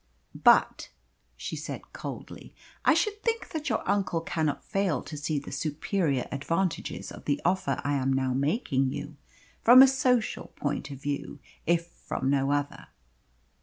"But," she said coldly, "I should think that your uncle cannot fail to see the superior advantages of the offer I am now making you, from a social point of view, if from no other."